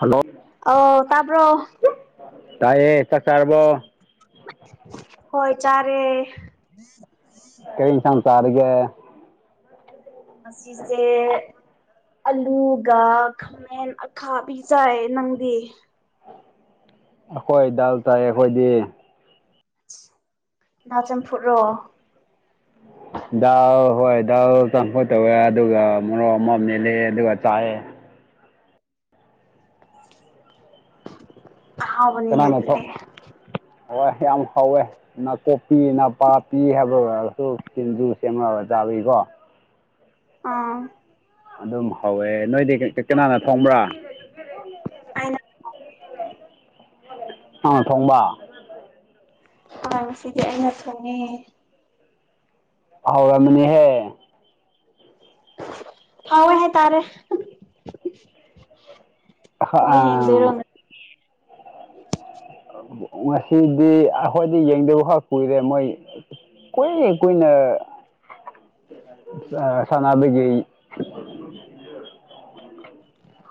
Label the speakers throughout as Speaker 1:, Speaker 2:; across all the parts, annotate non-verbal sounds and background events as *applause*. Speaker 1: hello
Speaker 2: ꯑ ꯇꯄ
Speaker 1: ꯇꯥꯏꯌꯦ ꯀꯁꯥꯔꯔꯕꯣ
Speaker 2: ꯍꯣꯏ ꯆꯥꯔꯦ
Speaker 1: ꯁꯥꯔꯒꯦ
Speaker 2: ꯑꯁꯤꯁꯦ ꯑꯂꯨꯒ ꯈꯥꯃꯦꯟ ꯑꯈꯥꯕꯤ ꯆꯥꯏ ꯅꯪꯗꯤ
Speaker 1: ꯑꯩꯈꯣꯏ ꯗꯥꯜ ꯇꯥꯏ ꯑꯩꯈꯣꯏꯗꯤ
Speaker 2: ꯅꯥ ꯆꯝ ꯐꯨꯠꯣ
Speaker 1: ꯎ ꯍꯣꯏ ꯗꯥꯜ ꯀꯥꯡꯈꯨꯠ ꯇꯧꯋꯦ ꯑꯗꯨꯒ ꯃꯣꯔꯣꯛ ꯑꯃ ꯃꯦꯂꯦ ꯑꯗꯨꯒ ꯆꯥꯏꯑꯦ
Speaker 2: ꯍꯕꯅꯤꯅꯦ
Speaker 1: ꯀꯅꯥꯅ ꯊꯣꯡ
Speaker 2: ꯑꯗꯨꯗꯤ
Speaker 1: ꯍꯣꯏ ꯌꯥꯝ ꯍꯥꯎꯋꯦ ꯅꯥꯀꯣꯛꯄꯤ ꯅ ꯄꯥꯄꯤ ꯍꯥꯏꯕ ꯑꯣꯏꯔꯒꯁꯨ ꯁꯤꯡꯖꯨ ꯁꯦꯝꯃꯒ ꯆꯥꯕꯤꯀꯣ ꯎꯝ
Speaker 2: ꯑꯥ
Speaker 1: ꯑꯗꯨꯝ ꯍꯧꯋꯦ ꯅꯣꯏꯗꯤ ꯀꯅꯥꯅ ꯊꯣꯡꯕ꯭ꯔꯥ
Speaker 2: ꯑꯩꯅ
Speaker 1: ꯑꯥ ꯊꯣꯡꯕ
Speaker 2: ꯍ ꯁꯤꯗꯤ ꯑ ꯅ ꯊꯅꯦ
Speaker 1: ꯍꯥꯎꯔ ꯑꯃꯅꯤꯅꯤꯍꯦ
Speaker 2: ꯍꯥꯎ ꯍꯥꯏ ꯇꯥꯔꯦ ꯑꯣ ꯌꯦꯡꯗꯔ
Speaker 1: ꯑꯥ ꯉꯁꯤꯗꯤ ꯑꯩꯈꯣꯏꯗꯤ ꯌꯦꯡꯗꯕ ꯈꯛ ꯀꯨꯏꯔꯦ ꯃꯣꯏ ꯀꯣꯏ ꯀꯣꯏꯅ ꯁꯅꯥꯗꯨꯗꯒꯤ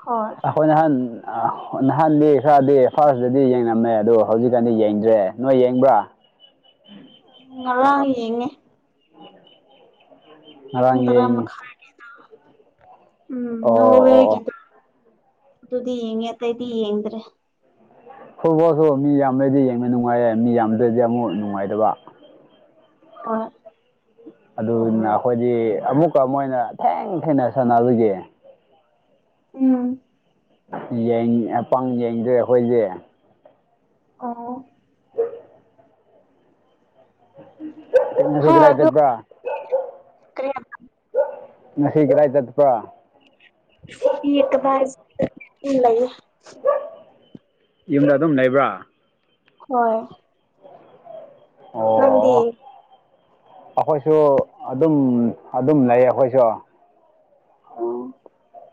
Speaker 2: ꯍꯣꯏ
Speaker 1: ꯑꯈꯣꯏꯅꯍꯥꯟ ꯑ ꯅꯍꯥꯟꯜꯂꯤ ꯈꯔꯗꯤ ꯐꯥꯔꯁꯇꯗꯤ ꯌꯦꯡꯅꯝꯃꯦ ꯑꯗꯨꯗꯣ ꯍꯧꯖꯤꯛꯀꯥꯟꯗꯤ ꯌꯦꯡꯗ꯭ꯔꯦ ꯅꯣꯏ ꯌꯦꯡꯕ꯭ꯔꯥ ꯎꯝ
Speaker 2: ꯌꯦꯉꯦ ꯀꯣꯟ
Speaker 1: ꯉꯔꯥꯡ
Speaker 2: ꯇꯔ ꯑꯃ
Speaker 1: ꯌꯦꯡꯉꯤ
Speaker 2: ꯈ ꯎꯝ
Speaker 1: ꯑꯣ
Speaker 2: ꯅꯣ
Speaker 1: ꯑꯣ ꯑꯣ
Speaker 2: ꯍꯒꯗ ꯑꯗꯨꯗꯤ ꯌꯦꯉꯦ ꯇꯥꯏꯗꯤ ꯌꯦꯡꯡꯗ꯭ꯔꯦ
Speaker 1: ꯐꯨꯠꯕꯣꯜꯁꯨ ꯃꯤ ꯌꯥꯝꯕꯩꯗꯤ ꯌꯦꯡꯕ ꯅꯨꯡꯉꯥꯏꯔ ꯃꯤ ꯌꯥꯝꯗꯗꯤ ꯑꯃꯨꯛ ꯅꯨꯡꯉꯥꯏꯇꯕ
Speaker 2: ꯑ
Speaker 1: ꯑꯗꯨꯅ ꯑꯩꯈꯣꯏꯗꯤ ꯑꯃꯨꯛꯀ ꯃꯣꯏꯅ ꯊꯦꯡ ꯊꯦꯡꯅ ꯁꯥꯟꯅ ꯑꯗꯨꯒꯤ
Speaker 2: ꯎꯝ
Speaker 1: ꯄꯪ ꯌꯦꯡꯗ꯭ꯔꯦ ꯑꯩꯈꯣꯏꯁꯦ
Speaker 2: ꯑ ꯍꯣꯏ
Speaker 1: ꯁꯤꯒ꯭ꯔ
Speaker 2: ꯑꯗꯨ
Speaker 1: ꯍꯥꯏꯇꯠꯕ
Speaker 2: ꯀꯔꯤ
Speaker 1: ꯉꯁꯤ ꯀꯗꯥꯏ ꯆꯠꯄ꯭ꯔ
Speaker 2: ꯁꯤꯀꯕꯥ ꯂꯩ
Speaker 1: ꯌꯨꯝꯗ ꯑꯗꯨꯝ ꯂꯩꯕ꯭ꯔꯥ
Speaker 2: ꯍꯣꯏ ꯅꯪꯗꯤ
Speaker 1: ꯑꯣ ꯑꯩꯈꯣꯏꯁꯨ ꯑꯗꯨꯝ ꯑꯗꯨꯝ ꯂꯩ ꯑꯩꯈꯣꯏꯁꯨ
Speaker 2: ꯑ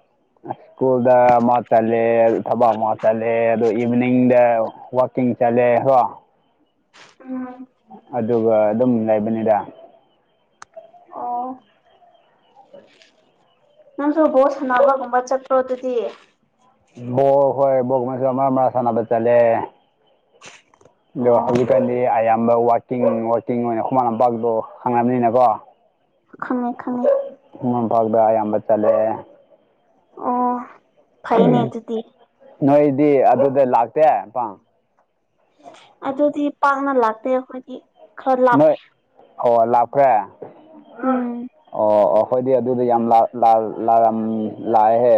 Speaker 1: ꯁ꯭ꯀꯨꯜꯗ ꯃꯥ ꯆꯂꯦ ꯊꯕ ꯃꯥ ꯆꯂꯦ ꯑꯗꯣ ꯏꯚꯤꯅꯤꯡꯗ ꯋꯥꯋꯀꯤꯡ ꯆꯠꯂꯦ ꯍꯣ
Speaker 2: ꯎꯝ
Speaker 1: ꯑꯗꯨꯒ ꯑꯗꯨꯝ ꯂꯩꯕꯅꯤꯗ
Speaker 2: ꯑꯣ
Speaker 1: *inaudible*
Speaker 2: ꯅꯪꯁꯨ ꯕꯣꯠ ꯁꯥꯟꯅꯕꯒꯨꯝꯕ ꯆꯠꯇ꯭ꯔꯣ ꯑꯗꯨꯗꯤ
Speaker 1: ꯣꯛ ꯍꯣꯏ ꯣꯛ ꯃ ꯃꯔ ꯁꯅꯅꯕ ꯆꯂꯦ ꯣ
Speaker 2: ꯑꯣ
Speaker 1: ꯍꯧꯖꯤꯛꯀꯥꯟꯗꯤ ꯑꯌꯥꯝ ꯋꯥꯀꯤꯡ ꯋꯥꯀꯤꯡ ꯑꯣꯏꯅ ꯈꯨꯃꯟ ꯂꯝꯄꯥꯛꯇꯣ ꯍꯪꯉꯅꯕꯅꯤꯅꯀꯣ
Speaker 2: ꯈꯪꯉꯦ ꯈꯪꯉꯦ
Speaker 1: ꯄꯗ ꯌꯥꯝꯝꯕ ꯆꯜꯦ
Speaker 2: ꯑꯣ ꯈꯩ ꯅ ꯇ ꯇꯤ
Speaker 1: ꯅꯣꯏꯗꯤ ꯑꯗꯨꯗ ꯂꯥꯛꯇꯦ ꯑꯄꯥ
Speaker 2: ꯑꯗꯨꯗꯤ ꯄꯥꯛꯅ ꯂꯥꯛꯇꯦ ꯑꯩꯈꯣꯏꯗꯤ ꯈꯔ ꯂꯥꯞꯄꯦ
Speaker 1: ꯅꯣꯏ ꯑꯣ ꯂꯥꯛꯄ꯭ꯔꯦ
Speaker 2: ꯎꯝ
Speaker 1: ꯑꯣ ꯑꯩꯈꯣꯏꯗꯤ ꯑꯗꯨꯗꯤ ꯌꯥꯝ ꯂꯥꯛꯑꯍꯦ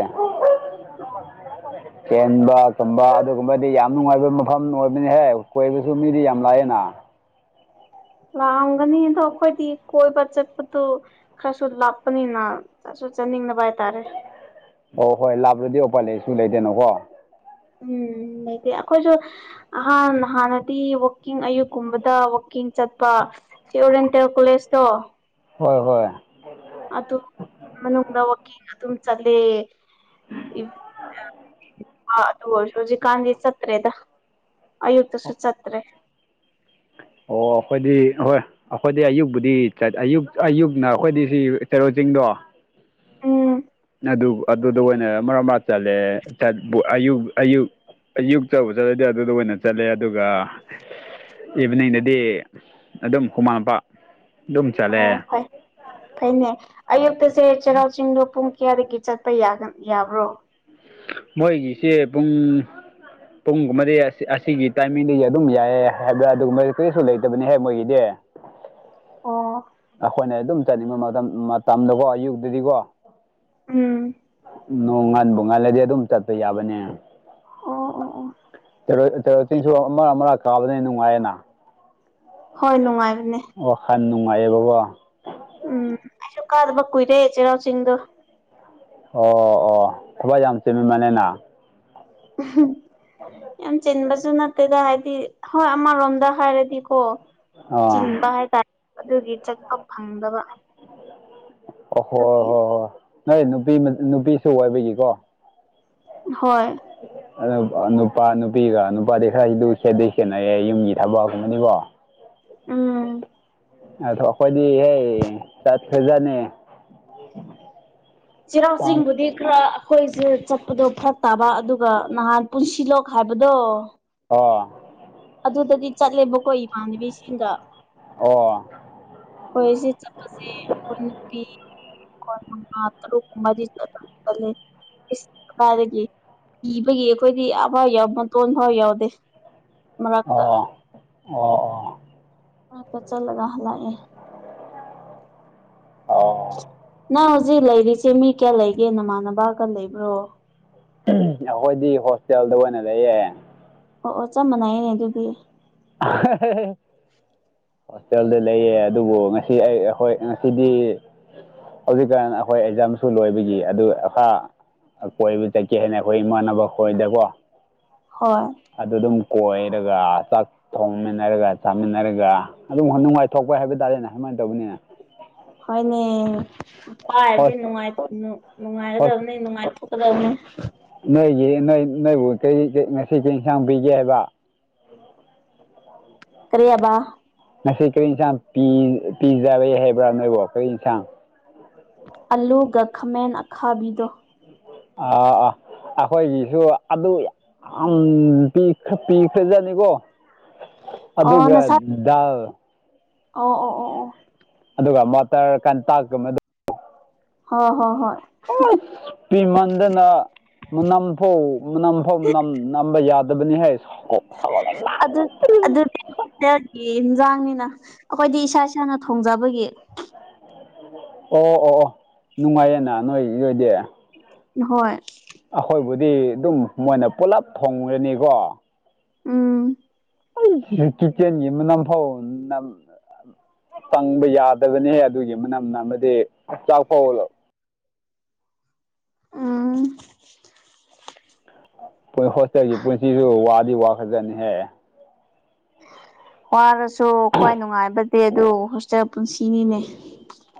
Speaker 1: *inaudible* ꯆꯦꯟꯕ ꯀꯨꯝꯕ ꯑꯗꯨꯒꯨꯝꯕꯗꯤ ꯌꯥꯝ ꯅꯨꯡꯉꯥꯏꯕ ꯃꯐꯝ ꯑꯣꯏꯕꯅꯤꯍꯦ ꯀꯣꯏꯕꯁꯨ ꯃꯤꯗꯤ ꯌꯥꯝ ꯂꯥꯛꯑꯦꯅ
Speaker 2: ꯂꯥꯛꯑꯝꯒꯅꯤ ꯑꯗꯣ ꯑꯩꯈꯣꯏꯗꯤ ꯀꯣꯏꯕ ꯆꯠꯄꯗꯨ ꯈꯔꯁꯨ ꯂꯥꯞꯄꯅꯤꯅ ꯆꯅꯤꯡꯅꯕ ꯍꯥꯏ ꯇꯔꯦ
Speaker 1: ꯑꯣ ꯍꯣꯏ ꯂꯥꯞꯂꯗꯤ ꯎꯄꯜ ꯂꯩꯁꯨ ꯂꯩꯇꯅꯀꯣ
Speaker 2: ꯎꯝ ꯂꯩꯇꯦ ꯑꯩꯈꯣꯏꯁꯨ ꯑꯍꯥꯟ ꯍꯥꯟꯅꯗꯤ ꯋꯥꯛꯀꯤꯡ ꯑꯌꯨꯛꯀꯨꯝꯕꯗ ꯋꯥꯛꯀꯤꯡ ꯆꯠꯄ ꯁꯤꯔꯦꯟ ꯇꯦꯜ ꯀꯂꯦꯁꯇꯣ
Speaker 1: ꯍꯣꯏ ꯍꯣꯏ
Speaker 2: ꯑꯗꯨ ꯃꯅꯨꯡꯗ ꯋꯥꯋꯀꯤꯡ ꯑꯗꯨꯝ ꯆꯠꯂꯦ ꯏ ꯍꯁꯨꯖꯤ ꯀꯥꯟ ꯁꯠꯇ꯭ꯔꯦꯗ ꯑꯌꯨꯛꯇꯁꯨ ꯆꯠꯇ꯭ꯔꯦ
Speaker 1: ꯍ ꯑꯣ ꯑꯩꯈꯣꯏꯗꯤ ꯍꯣꯏ ꯑꯩꯈꯣꯏꯗꯤ ꯑꯌꯨꯛꯄꯗꯤ ꯑꯌꯨꯛ ꯑꯌꯨꯛꯅ ꯑꯩꯈꯣꯏꯗꯤ ꯁꯤ ꯆꯦꯔꯣ ꯆꯤꯡꯗꯣ ꯑ
Speaker 2: ꯎꯝ
Speaker 1: ꯑꯗꯨ ꯑꯗꯨꯗ ꯑꯣꯏꯅ ꯃꯔꯛ ꯃꯔ ꯆꯠꯂꯦ ꯑꯌꯨꯛ ꯑꯌꯨꯛ ꯆꯕ ꯆꯠꯂꯗꯤ ꯑꯗꯨꯗ ꯑꯣꯏꯅ ꯆꯠꯂꯦ ꯑꯗꯨꯒ ꯏꯚꯤꯅꯤꯡꯗꯗꯤ ꯑꯗꯨꯝ ꯍꯨꯃꯥꯟ ꯃꯨꯄꯥ
Speaker 2: ꯑꯣ ꯍꯣꯏ ꯐꯩꯅꯦ ꯑꯌꯨꯛꯇꯁꯦ ꯆꯩꯔꯥꯎ ꯆꯤꯡꯗꯣ ꯄꯨꯡ ꯀꯌꯥꯗꯒꯤ ꯆꯠꯄ ꯌꯥꯒ ꯌꯥꯕ꯭ꯔꯣ
Speaker 1: ꯃꯣꯏꯒꯤꯁꯦ ꯄꯨꯡ ꯄꯨꯡꯒꯨꯝꯕꯗꯤ ꯑꯁꯤꯒꯤ ꯇꯥꯏꯃꯤꯡꯗꯤ ꯑꯗꯨꯝ ꯌꯥꯏꯑ ꯍꯥꯏꯕ꯭ꯔꯥ ꯑꯗꯨꯒꯨꯝꯕ ꯀꯔꯤꯁꯨ ꯂꯩꯇꯕꯅꯤꯍꯦꯛ ꯃꯣꯏꯒꯤꯗꯤ *inaudible*
Speaker 2: ꯑꯣ
Speaker 1: ꯑꯩꯈꯣꯏꯅ ꯑꯗꯨꯝ ꯆꯠꯅꯤꯡꯕ ꯃꯇꯝ ꯃꯇꯝꯗꯀꯣ ꯑꯌꯨꯛꯇꯗꯤꯀꯣ
Speaker 2: ꯎꯝ
Speaker 1: ꯅꯣꯡ ꯉꯟꯕꯨ ꯉꯜꯂꯗꯤ ꯑꯗꯨꯝ ꯆꯠꯄ ꯌꯥꯕꯅꯦ
Speaker 2: ꯑꯣ ꯑꯣ ꯑꯣ
Speaker 1: ꯇꯦꯔꯣ ꯆꯤꯡꯁꯨ ꯑꯃꯥ ꯑꯃꯛ ꯀꯥꯕꯅ ꯅꯨꯡꯉꯥꯏꯌꯦꯅ
Speaker 2: ꯍꯣꯏ ꯅꯨꯡꯉꯥꯏꯕꯅꯦ
Speaker 1: ꯌꯥꯝ ꯅꯨꯡꯉꯥꯏꯌꯦ ꯕꯕꯥ
Speaker 2: ꯎꯝ ꯑꯩꯁꯨ ꯀꯥꯗꯕ ꯀꯨꯏꯔꯦ ꯆꯩꯔꯥꯎ ꯆꯤꯡꯗꯣ
Speaker 1: ꯑꯣ ꯑꯣ ꯈꯕꯥꯏ ꯌꯥꯝ ꯌꯥꯝ ꯆꯦꯃꯤ ꯃꯅꯦꯅ
Speaker 2: ꯌꯥꯝ ꯆꯤꯟꯕ ꯑꯗꯨ ꯅꯠꯇꯦꯗ ꯍꯥꯏꯗꯤ ꯍꯣꯏ ꯑꯃꯔꯣꯝꯗ ꯍꯥꯏꯔꯗꯤꯀꯣ ꯆꯤꯟꯕ
Speaker 1: ꯑꯥ
Speaker 2: ꯍꯥꯏꯇꯥꯔꯦ ꯑꯗꯨꯒꯤ ꯆꯠꯄ ꯐꯪꯗꯕ
Speaker 1: ꯑ ꯍꯣꯏ ꯍꯣꯏ
Speaker 2: ꯑꯗꯨꯒꯤ
Speaker 1: ꯍꯣꯏ ꯅꯣꯏ ꯅꯨꯄꯤ ꯅꯨꯄꯤꯁꯨ ꯋꯥꯏꯕꯒꯤꯀꯣ
Speaker 2: ꯍꯣꯏ
Speaker 1: ꯑꯗꯨ ꯅꯨꯄꯥ ꯅꯨꯄꯤꯒ ꯅꯨꯄꯥꯗꯤ ꯈꯔꯁꯤꯗꯨ ꯈꯦꯠꯗꯩ ꯈꯦꯠꯅꯩ ꯌꯨꯝꯒꯤ ꯊꯕꯛꯒꯨꯝꯕꯅꯤꯕꯣ
Speaker 2: ꯑꯥ
Speaker 1: ꯑ ꯑꯩꯈꯣꯏꯗꯤ ꯍꯦ ꯇꯥꯛ ꯁꯦꯖꯅꯦ
Speaker 2: ꯆꯩꯔꯥꯎ ꯆꯤꯡꯕꯨꯗꯤ ꯈꯔ ꯍꯣꯏꯁꯦ ꯆꯠꯄꯗꯣ ꯐꯔꯛ ꯇꯥꯕ ꯑꯗꯨꯒ ꯅꯍꯥꯟ ꯄꯨꯟꯁꯤꯂꯣꯛ ꯍꯥꯏꯕꯗꯣ
Speaker 1: ꯍ
Speaker 2: ꯑꯗꯨꯗꯗꯤ ꯆꯠꯂꯦꯕꯀꯣ ꯏꯃꯥꯟꯅꯕꯤꯁꯤꯡꯒ
Speaker 1: ꯑꯣ
Speaker 2: ꯑꯩꯈꯣꯏꯁꯦ ꯈꯣꯏ ꯑ ꯂꯨ ꯃꯥꯗꯤ ꯏ ꯀꯗꯒꯤ ꯏꯤꯕꯒꯤ ꯑꯩꯈꯣꯏꯗꯤ ꯌꯥꯝ ꯐꯥꯎ ꯌꯥꯎ ꯃꯇꯣꯟ ꯐꯥꯎ ꯌꯥꯎꯗꯦ ꯃꯥꯔꯛꯇ
Speaker 1: ꯑꯣ ꯑꯣ
Speaker 2: ꯑ
Speaker 1: ꯑꯣ
Speaker 2: ꯆꯂꯒꯍꯂꯑ ꯍꯧꯖꯤꯛ ꯂꯩꯔꯤꯁꯦ ꯃꯤ ꯀꯌꯥ ꯂꯩꯒꯦ ꯅꯃꯥꯟꯅꯕꯒ ꯂꯩꯕ꯭ꯔꯣ
Speaker 1: ꯑꯩꯈꯣꯏꯗꯤ ꯍꯣꯁꯇꯦꯜꯗ ꯑꯣꯏꯅ ꯂꯩꯌꯦ
Speaker 2: ꯑꯣ ꯑꯣ ꯆꯞ ꯃꯥꯟꯅꯩꯅꯦ ꯑꯗꯨꯗꯤ
Speaker 1: ꯑꯍꯦꯍꯦꯍꯦ ꯍꯣꯁꯇꯦꯜꯗ ꯂꯩꯌꯦ ꯑꯗꯨꯕꯨ ꯉꯁꯤ ꯑꯩ ꯑꯩꯈꯣꯏ ꯉꯁꯤꯗꯤ ꯍꯧꯖꯤꯛꯀꯥꯟ ꯑꯩꯈꯣꯏ ꯑꯦꯛꯖꯥꯝꯁꯨ ꯂꯣꯏꯕꯒꯤ ꯑꯗꯨ ꯀꯣꯏꯕ ꯆꯠꯀꯦ ꯍꯥꯏꯅ ꯑꯩꯈꯣꯏ ꯏꯃꯥꯟꯅꯕ ꯈꯣꯏꯗꯀꯣ
Speaker 2: ꯍꯣꯏ
Speaker 1: ꯑꯗꯨ ꯑꯗꯨꯝ ꯀꯣꯏꯔꯒ ꯊꯣꯡꯃꯤꯟꯅꯔꯒ ꯆꯥꯃꯤꯟꯅꯔꯒ ꯑꯗꯨꯝ ꯅꯨꯡꯉꯥꯏꯊꯣꯛꯄ ꯍꯥꯏꯕ ꯇꯥꯔꯦꯅꯦ ꯁꯃꯥꯏꯅ ꯇꯧꯕꯅꯤꯅ
Speaker 2: ꯍꯣꯏꯅꯦ ꯅꯨ ꯄ
Speaker 1: ꯍꯣꯏ
Speaker 2: ꯍꯥꯏꯕꯕꯁꯤꯅꯨꯡꯉꯥꯏ
Speaker 1: ꯍꯣꯏ
Speaker 2: ꯅꯨꯡꯉꯥꯏꯒꯗꯕꯅꯤ ꯅꯨꯡꯉꯥꯏꯊꯣꯛ ꯀꯗꯅꯤ
Speaker 1: ꯅꯣꯏꯒꯤ ꯅꯣꯏ ꯅꯣꯏꯕꯨ ꯀꯔꯤ ꯉꯁꯤ ꯀ ꯏꯟꯁꯥꯡ ꯄꯤꯒꯦ ꯍꯥꯏꯕ
Speaker 2: ꯀꯔꯤꯌꯥꯕꯕꯥ
Speaker 1: ꯉꯁꯤ ꯀꯔꯤ ꯌꯦꯟꯁꯥꯡ ꯄꯤꯖꯔꯦ ꯍꯥꯏꯕ꯭ꯔꯥ ꯅꯣꯏꯕꯣ ꯀꯔꯤ ꯌꯦꯟꯁꯥꯡ
Speaker 2: ꯑꯂꯨ ꯒ ꯈꯃꯦꯟ ꯑꯈꯥꯕꯤꯗꯣ
Speaker 1: ꯑꯥ ꯑꯥ ꯑꯩꯈꯣꯏꯒꯤꯁꯨ ꯑꯗꯨ ꯄ ꯄꯤꯛꯈ꯭ꯔꯦꯖꯅꯤꯀꯣ
Speaker 2: ꯑꯣ
Speaker 1: ꯑꯗꯨꯒ
Speaker 2: ꯅꯁꯥꯏ ꯑꯣ ꯑꯣ ꯑꯣ ꯑꯣ
Speaker 1: ꯑꯗꯨꯒ ꯃꯣꯇꯔ ꯀꯟꯇꯀꯨꯝꯕ
Speaker 2: ꯍ ꯍꯣꯏ ꯍꯣꯏ
Speaker 1: ꯑꯣ ꯄꯤꯃꯟꯗꯅ ꯅꯝꯐꯧ ꯅꯝꯐꯧ ꯅꯝꯕ ꯌꯥꯗꯕꯅꯤ ꯍꯥꯏ ꯑꯣ ꯂꯩ
Speaker 2: ꯍꯒꯤ ꯏꯟꯖꯥꯡꯅꯤꯅ ꯑꯩꯈꯣꯏꯗꯤ ꯏꯁꯥ ꯏꯁꯥꯅ ꯊꯣꯡꯖꯕꯒꯤ
Speaker 1: ꯑꯣ ꯑꯣ ꯑꯣ ꯅꯨꯡꯉꯥꯏꯌꯦꯦꯅ ꯅꯣꯏ ꯏꯔꯣꯏꯗꯤꯦ
Speaker 2: ꯍꯣꯏ
Speaker 1: ꯕꯨꯗꯤ ꯑꯗꯨꯝ ꯃꯣꯏꯅ ꯄꯨꯂꯞ ꯊꯣꯡꯉꯅꯤꯀꯣ
Speaker 2: ꯎꯝ
Speaker 1: ꯑꯩ ꯀꯤꯆꯟꯒꯤ ꯅꯝꯐꯥꯎ ꯐꯪꯕ ꯌꯥꯗꯕꯅꯤꯍꯦ ꯑꯗꯨꯒꯤ ꯃꯅꯝꯅ ꯑꯃꯗꯤ ꯆꯥꯛ ꯐꯥꯎ
Speaker 2: ꯎ
Speaker 1: ꯗꯤ ꯋꯥ ꯈꯖꯅꯤ ꯍꯦ
Speaker 2: ꯋꯥꯔꯁꯨ ꯈ꯭ꯋꯥꯏ ꯅꯨꯡꯉꯥꯏꯕꯗꯤ ꯑꯗꯨ ꯍꯣꯁꯇꯦꯜ ꯄꯨꯟꯁꯤꯅꯤꯅꯦ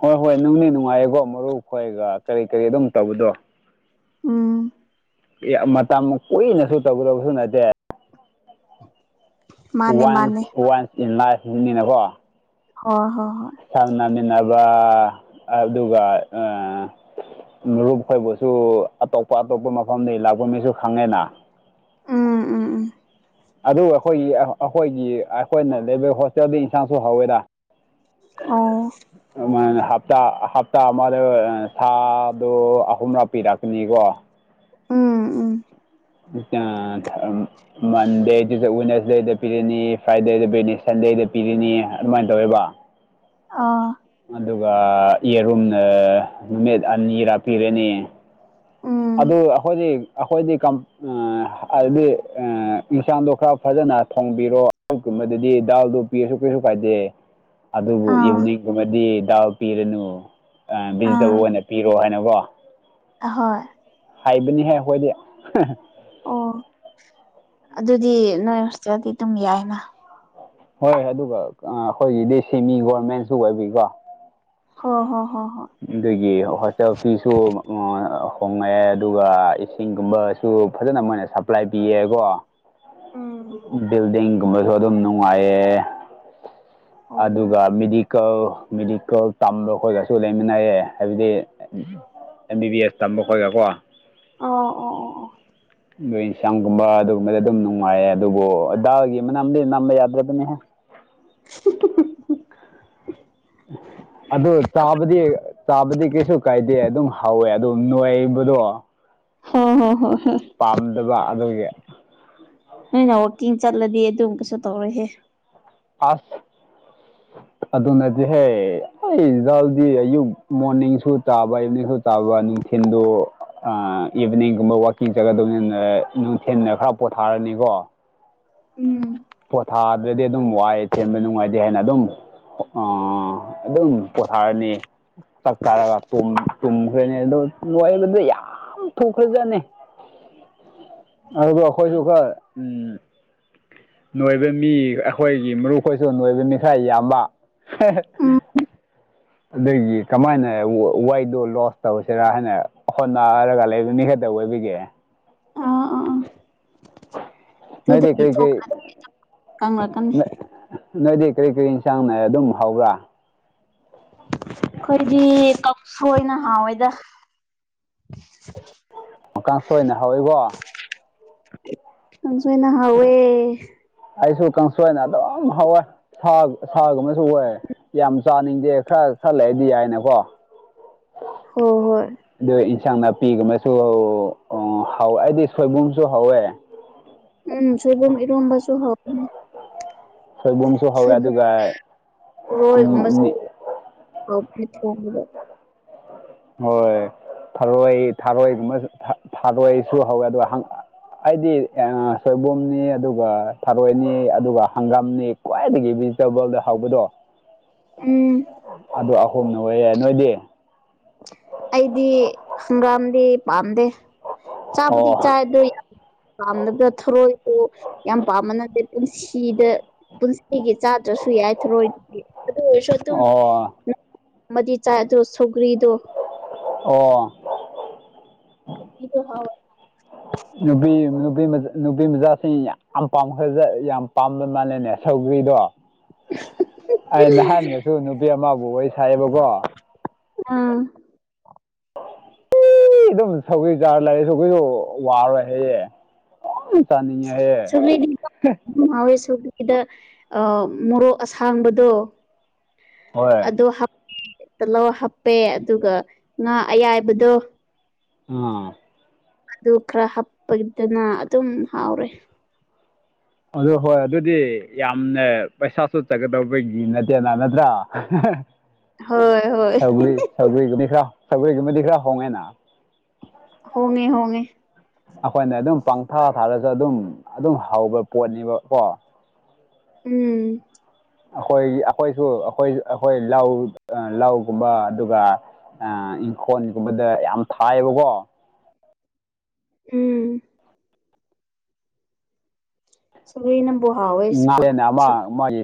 Speaker 1: ꯍꯣꯏ ꯍꯣꯏ ꯅꯨꯡꯗꯤ ꯅꯨꯡꯉꯥꯏꯌꯦꯀꯣ ꯃꯔꯨ ꯈꯣꯏꯒ ꯀꯔꯤ ꯀꯔꯤ ꯑꯗꯨꯝ ꯇꯧꯕꯗꯣ
Speaker 2: ꯎꯝ
Speaker 1: ꯃꯇꯝ ꯀꯨꯏꯅꯁꯨ ꯇꯧꯒꯗꯕꯁꯨ ꯅꯠꯇꯦ
Speaker 2: ꯃꯥꯅꯦ ꯃꯥꯅꯦ
Speaker 1: ꯋꯥꯟꯁ ꯋꯥꯟꯁ ꯏꯟ ꯂꯥꯏꯐꯅꯤꯅꯦꯀꯣ
Speaker 2: ꯍ ꯍꯣꯏ ꯍꯣꯏ
Speaker 1: ꯆꯥꯃꯤꯟꯅꯕ ꯑꯗꯨꯒ ꯑ ꯃꯔꯨꯞꯈꯣꯏꯕꯨꯁꯨ ꯑꯇꯣꯞꯄ ꯑꯇꯣꯞꯄ ꯃꯐꯝꯗꯒꯤ ꯂꯥꯛꯄ ꯃꯤꯁꯨ ꯈꯪꯉꯦꯅ
Speaker 2: ꯎꯝ ꯎꯝ ꯎꯝ
Speaker 1: ꯑꯗꯨ ꯑꯩꯈꯣꯏꯒꯤ ꯑꯩꯈꯣꯏꯒꯤ ꯑꯩꯈꯣꯏꯅ ꯂꯩꯕ ꯍꯣꯁꯇꯦꯜꯗ ꯏꯟꯁꯥꯡꯁꯨ ꯍꯧꯋꯦꯔ
Speaker 2: ꯑ
Speaker 1: ꯍꯞꯇꯥ ꯍꯞꯇꯥ ꯑꯃꯗ ꯁꯥꯗꯣ ꯑꯍꯨꯝꯂꯛ ꯄꯤꯔꯛꯀꯅꯤꯀꯣ
Speaker 2: ꯎꯝ ꯎꯝ
Speaker 1: ꯃꯟꯗꯦ ꯇꯨꯁꯗꯦꯗ ꯄꯤꯔꯅꯤ ꯐ꯭ꯔꯥꯏꯗꯦꯗ ꯄꯤꯔꯅꯤ ꯁꯟꯗꯦꯗ ꯄꯤꯔꯅꯤ ꯑꯗꯨꯃꯥꯏꯅ ꯇꯧꯋꯦꯕ
Speaker 2: ꯑ
Speaker 1: ꯑꯗꯨꯒ ꯌꯦꯔꯨꯝꯅ ꯅꯨꯃꯤꯠ ꯑꯅꯤꯔꯥꯄꯤꯔꯅꯤ
Speaker 2: ꯎꯝ
Speaker 1: ꯑꯗꯨ ꯑꯩꯈꯣꯏꯗꯤ ꯑꯩꯈꯣꯏꯗꯤ ꯍꯥꯏꯕꯗꯤ ꯌꯦꯟꯁꯥꯡꯗꯣ ꯈꯔ ꯐꯖꯅ ꯊꯣꯡꯕꯤꯔꯣ ꯑꯗꯨꯒꯨꯝꯕꯗꯗꯤ ꯗꯥꯜꯗꯣ ꯄꯤꯔꯁꯨ ꯀꯩꯁꯨ ꯀꯥꯏꯗꯦ ꯑꯗꯨꯕꯨ
Speaker 2: ꯑꯥ
Speaker 1: ꯏꯚꯅꯤꯡꯒꯨꯝꯕꯗꯤ ꯗꯥꯎ ꯄꯤꯔꯅꯨ ꯚꯤꯖꯤꯇꯦꯕꯜ ꯑꯣꯏꯅ ꯄꯤꯔꯣ ꯍꯥꯏꯅ ꯋꯥ
Speaker 2: ꯍꯣꯏ
Speaker 1: ꯍꯥꯏꯕꯅꯤꯍꯦ ꯍꯣꯏꯗꯤ
Speaker 2: ꯑꯣ ꯑꯗꯨꯗꯤ ꯅꯣꯏ ꯍꯦꯜꯗꯤ ꯑꯗꯨꯝ ꯌꯥꯏꯅ
Speaker 1: ꯍꯣꯏ ꯑꯗꯨꯒ ꯑꯩꯈꯣꯏꯒꯤꯗꯤ ꯁꯤꯦꯃꯤ ꯒꯣꯔꯃꯦꯟꯁꯨ ꯑꯣꯏꯕꯤꯀꯣ
Speaker 2: ꯍ ꯍꯣ ꯍꯣ ꯍꯣꯏ
Speaker 1: ꯑꯗꯨꯒꯤ ꯍꯣꯁꯇꯦꯜ ꯐꯤꯁꯨ ꯍꯣꯡꯉꯛꯑꯦ ꯑꯗꯨꯒ ꯏꯁꯤꯡꯒꯨꯝꯕꯁꯨ ꯐꯖꯅ ꯃꯣꯏꯅ ꯁꯄ꯭ꯂꯥꯏ ꯄꯤꯌꯦꯀꯣ
Speaker 2: ꯎꯝ
Speaker 1: ꯕꯤꯜꯗꯤꯡꯒꯨꯝꯕꯁꯨ ꯑꯗꯨꯝ ꯅꯨꯡꯉꯥꯏꯌꯦ
Speaker 2: ꯑꯣ
Speaker 1: ꯑꯗꯨꯒ ꯃꯦꯗꯤꯀꯦꯜ ꯃꯦꯗꯤꯀꯦꯜ ꯇꯝꯕ ꯑꯩꯈꯣꯏꯒꯁꯨ ꯁꯨ ꯂꯩꯃꯤꯟꯅꯌꯦꯦ ꯍꯥꯏꯕꯗꯤ ꯑꯦꯝ ꯕꯤ ꯕꯤ ꯑꯦꯁ ꯇꯝꯕ ꯈꯣꯏꯒ ꯀꯣ
Speaker 2: ꯑꯣ ꯑꯣ ꯑꯣ ꯑꯣ
Speaker 1: ꯂꯣꯏ ꯏꯟꯁꯥꯡꯒꯨꯝꯕ ꯑꯗꯨꯒꯨꯝꯕꯗ ꯑꯗꯨꯝ ꯅꯨꯡꯉꯥꯏꯌꯦ ꯑꯗꯨꯕꯨ ꯗꯥꯒꯤ ꯃꯅꯥꯝꯗꯤ ꯅꯝꯕ ꯌꯥꯗ꯭ꯔꯕꯅꯦꯍ ꯎ ꯑꯗꯨ ꯆꯥꯕꯗꯤ ꯆꯥꯕꯗꯤ ꯀꯩꯁꯨ ꯀꯥꯏꯗꯦ ꯑꯗꯨꯝ ꯍꯥꯎꯋꯦ ꯑꯗꯨ ꯅꯣꯏꯕꯗꯣ
Speaker 2: ꯍ ꯍꯣ ꯍꯣꯏ ꯍꯣꯏ
Speaker 1: ꯄꯥꯝꯗꯕ ꯑꯗꯨꯒꯤ
Speaker 2: ꯅꯣꯏꯅ ꯋꯥꯛꯀꯤꯡ ꯆꯠꯂꯗꯤ ꯑꯗꯨꯝ ꯀꯩꯁꯨ ꯇꯧꯔꯍꯦ
Speaker 1: ꯑꯁ ꯑꯗꯨꯅꯗꯤꯍꯦ ꯑꯩꯗꯗꯤ ꯑꯌꯨꯛ ꯃꯣꯔꯅꯤꯡꯁꯨ ꯇꯥꯕ ꯏꯚꯅꯤꯡ ꯆꯥꯕ ꯅꯨꯡꯊꯤꯟꯜꯗꯣ ꯑ ꯏꯚꯤꯅꯤꯡꯒꯨꯝꯕ ꯋꯥꯛꯀꯤꯡ ꯆꯠꯀꯗꯧꯅꯤ ꯅꯨꯡꯊꯤꯗ ꯈꯔ ꯄꯣꯊꯥꯔꯅꯤꯀꯣ
Speaker 2: ꯎꯝ
Speaker 1: ꯄꯣꯊꯥꯗ꯭ꯔꯗꯤ ꯑꯗꯨꯝ ꯋꯥꯏꯑ ꯆꯦꯟꯕ ꯅꯨꯡꯉꯥꯏꯇꯦ ꯍꯥꯏꯦꯅ ꯑꯗꯨꯝ ꯑ ꯑꯗꯨꯝ ꯄꯣꯊꯥꯔꯅꯤ ꯆꯥꯛ ꯆꯥꯔꯒ ꯇꯨꯝꯈ꯭ꯔꯅꯤ ꯑꯣ ꯂꯕꯗ ꯌꯥꯝ ꯊꯨꯈ꯭ꯔꯖꯠꯅꯤ ꯑꯗꯨ ꯑꯩꯈꯣꯏꯁꯨ ꯈꯔ ꯎꯝ ꯅꯣꯏꯕ ꯃꯤ ꯑꯩꯈꯣꯏꯒꯤ ꯃꯔꯨꯞꯈꯣꯏꯁꯨ ꯅꯣꯏꯕ ꯃꯤ ꯈꯔ ꯌꯥꯝꯕ ꯍ
Speaker 2: ꯎꯝ
Speaker 1: ꯑꯗꯒꯤ ꯀꯃꯥꯏꯅ ꯋꯥꯏꯗꯣ ꯂꯣꯁ ꯇꯧꯁꯤꯔꯥ ꯍꯥꯏꯅ ꯍꯣꯠꯅꯔꯒ ꯂꯩꯦ ꯑꯣꯏꯕꯤꯒꯦ
Speaker 2: ꯑꯗꯨ ꯊꯣꯛꯈ꯭ꯔ ꯀꯪꯉꯛꯀꯅꯤ
Speaker 1: ꯅꯣꯏꯗꯤ ꯀꯔꯤ ꯀꯔꯤ ꯌꯦꯟꯁꯥꯡ ꯅꯥꯏ ꯑꯗꯨꯝ ꯍꯧꯕ꯭ꯔꯥ
Speaker 2: ꯑꯩꯈꯣꯏꯗꯤ ꯀꯛ ꯑꯣꯏꯅ ꯍꯥꯎꯋꯦꯗ
Speaker 1: ꯃꯀꯥꯟ ꯁꯣꯏꯅ ꯍꯧꯋꯏꯕꯣ
Speaker 2: ꯀꯁꯨꯅ ꯍꯋꯦ
Speaker 1: ꯑꯩꯁꯨ ꯀꯥꯡꯁꯣꯏꯅ ꯑꯗꯨꯝ ꯍꯥꯎꯋꯏ ꯁꯥ ꯁꯥꯒꯨꯝꯕꯁꯨ ꯑꯣꯏ ꯌꯥꯝ ꯆꯥꯅꯤꯡꯗꯦ ꯈꯔ ꯁꯜꯂꯛꯑꯗꯤ ꯌꯥꯏꯅꯀꯣ
Speaker 2: ꯍꯣꯏ ꯍꯣꯏ
Speaker 1: ꯑꯗꯨ ꯏꯟꯁꯥꯡ ꯅꯥꯄꯤꯒꯨꯝꯕꯁꯨ ꯍꯥꯎꯋꯦ ꯍꯥꯏꯗꯤ ꯁꯣꯏꯕꯨꯝꯁꯨ ꯍꯧꯋꯦ
Speaker 2: ꯎꯝ ꯁꯕꯝ ꯏꯔ ꯑꯝꯕꯁꯨ ꯍ
Speaker 1: ꯁꯣꯏꯕꯨꯝꯁꯨ ꯍꯧꯋꯦ
Speaker 2: ꯁꯣꯏꯕ
Speaker 1: ꯑꯗꯨꯒ
Speaker 2: ꯔꯣꯏꯒꯨꯝꯕꯁꯨ ꯃꯠꯇ ꯋꯥꯣꯗ
Speaker 1: ꯍꯣꯏ ꯐꯔꯣꯏ ꯊꯥꯔꯣꯏꯒꯕ ꯊꯥꯔꯣꯏꯁꯨ ꯍꯧꯋꯦ ꯑ ꯑꯩꯗꯤ ꯁꯣꯏꯕꯨꯝꯅꯤ ꯑꯗꯨꯒ ꯊꯔꯣꯏꯅꯤ ꯑꯗꯨꯒ ꯍꯪꯒꯥꯝꯅꯤ ꯈ꯭ꯋꯥꯏꯗꯒꯤ ꯚꯤꯖꯤꯇꯦꯕꯜꯗ ꯍꯧꯕꯗꯣ
Speaker 2: ꯎꯝ
Speaker 1: ꯑꯗꯨ ꯑꯍꯣꯡꯅ ꯑꯣꯏꯔꯦ ꯅꯣꯏꯗꯤ
Speaker 2: ꯑꯩꯗꯤ ꯍꯪꯒꯥꯝꯗꯤ ꯄꯥꯝꯗꯦ ꯆꯥꯕꯨꯗꯤ
Speaker 1: ꯑꯣ
Speaker 2: ꯆꯥꯏꯗꯣ ꯌꯥꯝ ꯄꯥꯝꯅꯕ ꯊꯧꯣꯔꯣꯏꯏꯗꯣ ꯌꯥꯝ ꯄꯥꯝꯃꯅꯗꯤꯦ ꯄꯨꯟꯁꯤꯗ ꯄꯨꯟꯁꯤꯒꯤ ꯆꯥꯗ꯭ꯔꯁꯨ ꯌꯥꯏꯊꯔꯣꯏ ꯑꯗꯨ ꯑꯣꯏꯔꯁꯨ ꯑꯗꯨꯝ
Speaker 1: ꯑꯣ
Speaker 2: ꯑꯃꯗꯤ ꯆꯥꯏ ꯑꯗꯨꯗꯣ ꯁꯧꯒ꯭ꯔꯤꯗꯣ
Speaker 1: ꯑꯣ
Speaker 2: ꯗ ꯍꯥꯎ
Speaker 1: ꯅꯨꯄꯤ ꯅꯨ ꯅꯨꯄꯤ ꯃꯆꯥꯁꯤꯡ ꯌꯥꯝ ꯄꯥꯝꯈ ꯌꯥꯝ ꯄꯥꯝꯕ ꯃꯥꯜꯂꯦꯅꯦ ꯁꯧ ꯅꯨꯏꯗꯣ ꯑꯩ ꯅꯍꯥꯟꯒꯁꯨ ꯅꯨꯄꯤ ꯑꯃꯕꯨ ꯋꯥꯔꯤ ꯁꯥꯏꯌꯦꯕꯀꯣ
Speaker 2: ꯑꯥ
Speaker 1: ꯑꯩ ꯑꯗꯨꯝ ꯁꯧꯒꯤ ꯆꯥꯔ ꯂꯩꯦ ꯁꯧꯒꯣꯏꯁꯨ ꯋꯥꯔꯣꯏ ꯍꯌꯦꯦ
Speaker 2: ꯁ ꯁꯨꯕꯤꯗ ꯑ ꯃꯣꯔꯣꯛ ꯑꯁꯥꯡꯕꯗꯣ
Speaker 1: ꯍꯣꯏ
Speaker 2: ꯑꯗ ꯇꯂꯣ ꯍꯥꯞꯄꯦ ꯑꯗꯨꯒ ꯉꯥ ꯑꯌꯥꯏꯕꯗꯣ
Speaker 1: ꯑ
Speaker 2: ꯑꯗꯨ ꯈꯔ ꯍꯥꯞꯄꯒꯤꯗꯅ ꯑꯗꯨꯝ ꯍꯥꯎꯔꯦ
Speaker 1: ꯑꯗꯨ ꯍꯣꯏ ꯑꯗꯨꯗꯤ ꯌꯥꯝꯅ ꯄꯩꯁꯥꯁꯨ ꯆꯠꯀꯗꯧꯕꯒꯤ ꯅꯠꯇꯦꯅ ꯅꯠꯇ꯭ꯔꯥ
Speaker 2: ꯍꯣꯏ ꯍꯣꯏ
Speaker 1: ꯁꯒ ꯁꯒꯒꯒꯤꯔ ꯍꯣꯡꯒꯦ ꯅ
Speaker 2: ꯍꯉꯦ ꯍꯉꯦ
Speaker 1: ꯑꯩꯈꯣꯏꯅ ꯑꯗꯨꯝ ꯄꯪꯊꯥ ꯊꯥꯔꯁꯨ ꯑꯗꯨꯝ ꯑꯗꯨꯝ ꯍꯧꯕ ꯄꯣꯠꯅꯦꯕꯀꯣ
Speaker 2: ꯎꯝ
Speaker 1: ꯑꯩꯈꯣꯏꯒꯤ ꯑꯩꯈꯣꯏꯁꯨ ꯑꯩꯈꯣꯏ ꯑꯩꯈꯣꯏ ꯂꯧ ꯂꯧꯒꯨꯝꯕ ꯑꯗꯨꯒ ꯑ ꯏꯪꯈꯣꯜꯒꯨꯝꯕꯗ ꯌꯥꯝ ꯊꯥꯏꯌꯦꯕꯀꯣ
Speaker 2: ꯎꯝ ꯁꯅ ꯍ ꯑꯣꯏ
Speaker 1: ꯉꯥꯂꯦꯟ ꯑꯃ ꯃꯥꯒꯤ